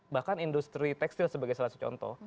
bahkan industri tekstil sebagai salah satu contoh